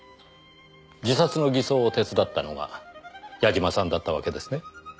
自殺の偽装を手伝ったのが矢嶋さんだったわけですね。